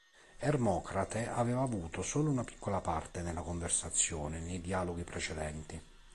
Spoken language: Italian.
Ermocrate aveva avuto solo una piccola parte nella conversazione nei dialoghi precedenti.